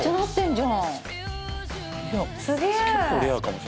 すげえ！